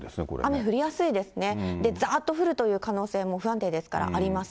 雨降りやすいですね、ざーっと降るという可能性も、不安定ですからあります。